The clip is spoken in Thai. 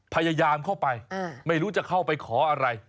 พยายามเข้าไปไม่รู้จะเข้าไปขออะไร